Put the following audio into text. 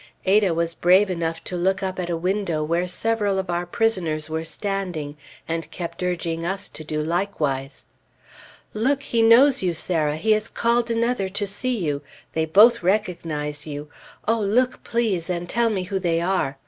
Ada was brave enough to look up at a window where several of our prisoners were standing, and kept urging us to do likewise. "Look! He knows you, Sarah! He has called another to see you! They both recognize you! Oh, look, please, and tell me who they are!